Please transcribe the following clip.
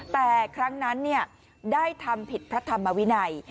แต่ครั้งนั้นได้ทำผิดพระธรรมวินัย